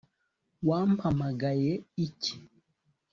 Wampamagaye iki